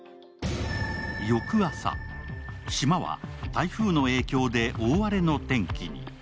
翌朝、島は台風の影響で大荒れの天気に。